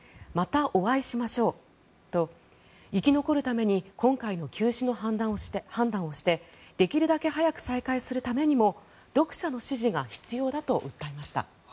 またお会いしましょうと生き残るために今回の休止の判断をしてできるだけ早く再開するためにも読者の支持が必要だと訴えました。